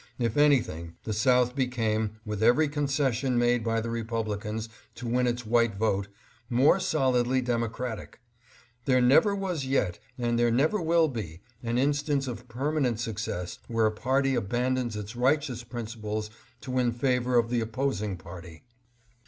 If anything, the South became, with every concession made by the Republicans to win its white vote, more solidly Demo cratic. There never was yet, and there never will be, an instance of permanent success where a party abandons its righteous principles to win favor of the opposing party.